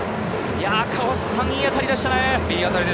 いい当たりでしたね。